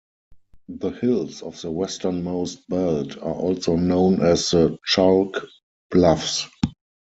The hills of the westernmost belt are also known as the Chalk Bluffs.